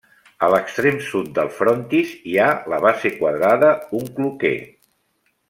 A l'extrem sud del frontis hi ha la base quadrada un cloquer.